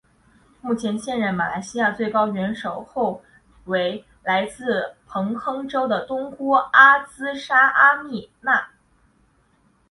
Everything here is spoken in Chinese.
目前现任马来西亚最高元首后为来自彭亨州的东姑阿兹纱阿蜜娜。